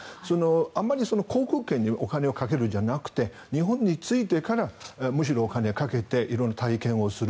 あまり航空券にお金をかけるんじゃなくて日本に着いてからむしろお金をかけて色んな体験をする。